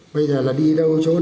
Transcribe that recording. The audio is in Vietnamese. bây giờ là đi đâu chỗ nào